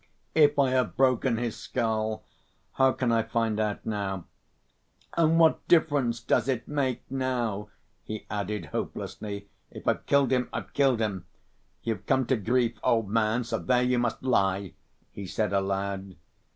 "If I have broken his skull, how can I find out now? And what difference does it make now?" he added, hopelessly. "If I've killed him, I've killed him.... You've come to grief, old man, so there you must lie!" he said aloud.